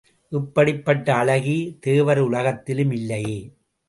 இப்படிப்பட்ட அழகி தேவருலகிலும் இல்லையே!